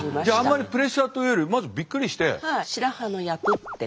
じゃああんまりプレッシャーというよりまずびっくりして？